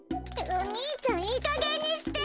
お兄ちゃんいいかげんにして！